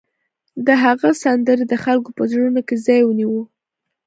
د هغه سندرې د خلکو په زړونو کې ځای ونیو